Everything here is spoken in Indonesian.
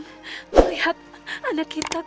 kang melihat anak kita kang